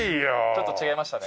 ちょっと違いましたね。